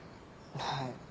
はい。